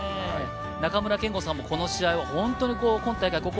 中村憲剛さんもこの試合、今大会